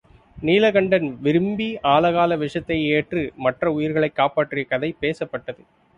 நீல கண்டன் விரும்பி ஆலகால விஷத்தை ஏற்று மற்ற உயிர்களைக் காப்பாற்றிய கதை பேசப்பட்டது.